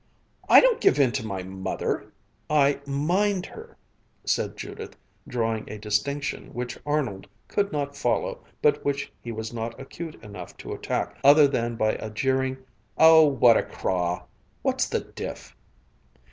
"I don't give in to my mother; I mind her," said Judith, drawing a distinction which Arnold could not follow but which he was not acute enough to attack other than by a jeering, "Oh, what a crawl! What's the diff?"